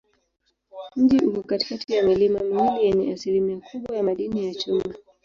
Mji uko katikati ya milima miwili yenye asilimia kubwa ya madini ya chuma.